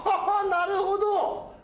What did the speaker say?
なるほど！